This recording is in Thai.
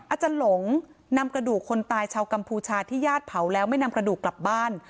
อาจารย์หลงนำกระดูกคนตายชาวกัมพูชาที่ญาติเผาแล้วไม่นำกระดูกกลับบ้าน